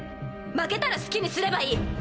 負けたら好きにすればいい。